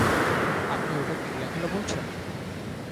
আপনি ওটাকে লীলাখেলা বলছেন?